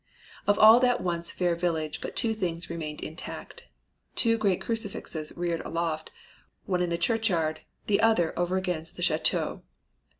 Of all that once fair village but two things remained intact two great crucifixes reared aloft, one in the churchyard, the other over against the chateau.